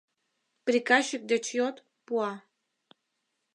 Приказчик деч йод, пуа.